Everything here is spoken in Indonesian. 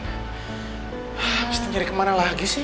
habis tuh nyari kemana lagi sih